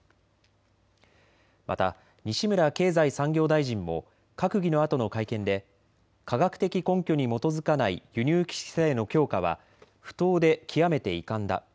また西村経済産業大臣も閣議のあとの会見で科学的根拠に基づかない輸入規制の強化は不当で極めて遺憾だ。